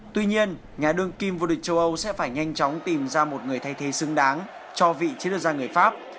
tuy nhiên nhà đương kim vô địch châu âu sẽ phải nhanh chóng tìm ra một người thay thế xứng đáng cho vị trí đơn gia người pháp